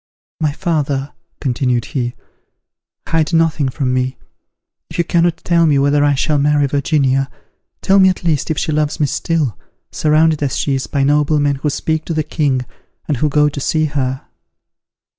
"My father," continued he, "hide nothing from me; if you cannot tell me whether I shall marry Virginia, tell me at least if she loves me still, surrounded as she is by noblemen who speak to the king, and who go to see her."